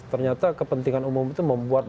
ternyata kepentingan umum itu membuat